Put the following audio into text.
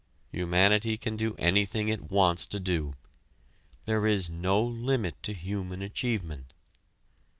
Humanity can do anything it wants to do. There is no limit to human achievement.